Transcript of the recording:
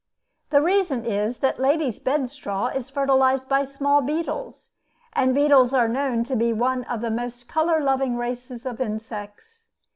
The reason is that lady's bedstraw is fertilized by small beetles; and beetles are known to be one among the most color loving races of insects.